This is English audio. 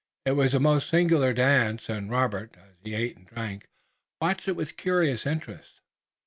It was a most singular dance and Robert, as he ate and drank, watched it with curious interest.